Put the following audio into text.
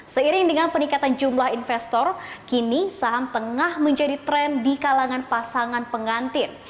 seiring dengan peningkatan jumlah investor kini saham tengah menjadi tren di kalangan pasangan pengantin